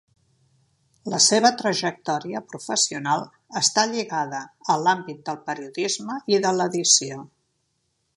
La seva trajectòria professional està lligada a l'àmbit del periodisme i de l'edició.